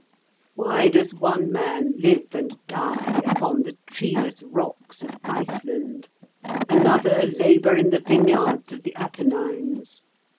Why does one man live and die upon the treeless rocks of Iceland, another labour in the vineyards of the Apennines?